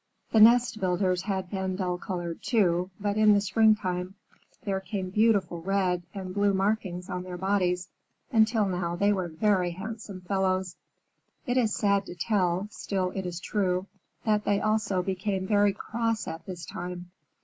The nest builders had been dull colored, too, but in the spring time there came beautiful red and blue markings on their bodies, until now they were very handsome fellows. It is sad to tell, still it is true, that they also became very cross at this time.